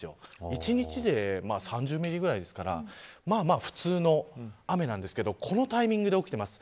１日で３０ミリぐらいですから普通の雨なんですけどこのタイミングで起きてます。